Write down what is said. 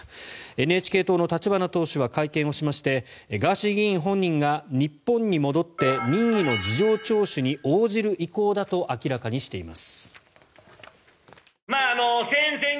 ＮＨＫ党の立花党首は会見をしましてガーシー議員本人が日本に戻って任意の事情聴取に応じる意向だと明らかにしています。